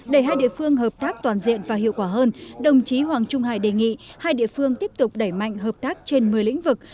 để hai địa phương hợp tác toàn diện và hiệu quả hơn đồng chí hoàng trung hải đề nghị hai địa phương tiếp tục đẩy mạnh hợp tác trên một mươi lĩnh vực